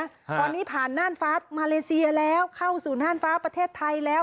ตอนนี้ผ่านน่านฟ้ามาเลเซียแล้วเข้าสู่น่านฟ้าประเทศไทยแล้ว